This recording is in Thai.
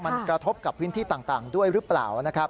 มันกระทบกับพื้นที่ต่างด้วยหรือเปล่านะครับ